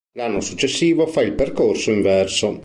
L'anno successivo fa il percorso inverso.